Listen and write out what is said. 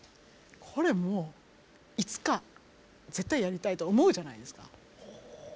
これもういつか絶対やりたいと思うじゃないですか。